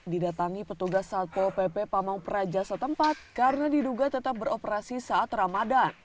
didatangi petugas satpol pp pamang praja setempat karena diduga tetap beroperasi saat ramadan